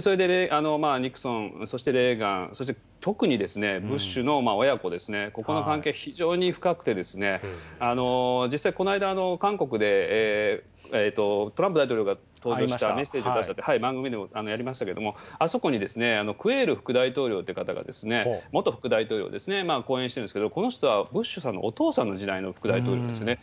それでニクソン、そしてレーガン、そして特にブッシュの親子ですね、ここの関係、非常に深くてですね、実際、この間、韓国でトランプ大統領がメッセージを出したって番組でもやりましたけど、あそこにクエール副大統領という方が、元副大統領ですね、講演してるんですけど、この人はブッシュさんのお父さんの時代の副大統領ですね。